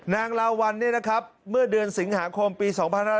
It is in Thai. ลาวัลเนี่ยนะครับเมื่อเดือนสิงหาคมปี๒๕๕๙